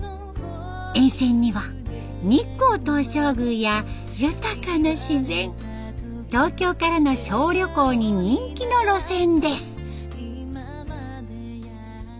沿線には日光東照宮や豊かな自然東京からの小旅行に人気の路線です。